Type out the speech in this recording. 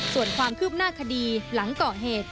ส่วนความคืบหน้าคดีหลังก่อเหตุ